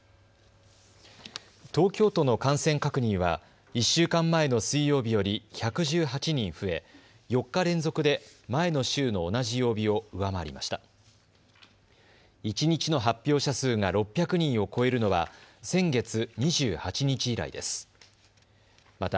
東京都の感染確認は１週間前の水曜日より１１８人増え４日連続で前の週の同じ曜日を上回りました。